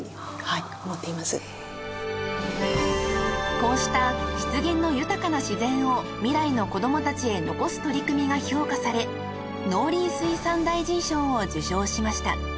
［こうした湿原の豊かな自然を未来の子供たちへ残す取り組みが評価され農林水産大臣賞を受賞しました］